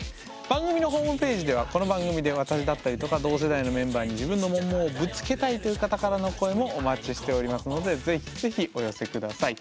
番組のホームページではこの番組で私だったりとか同世代のメンバーに自分のモンモンをぶつけたいという方からの声もお待ちしておりますので是非是非お寄せ下さい。